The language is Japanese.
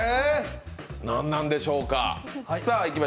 何なんでしょうか？